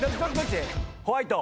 ホワイト。